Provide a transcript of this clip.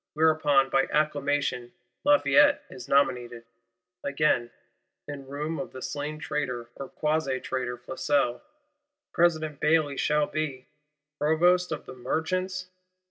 Whereupon, by acclamation, Lafayette is nominated. Again, in room of the slain traitor or quasi traitor Flesselles, President Bailly shall be—Provost of the Merchants?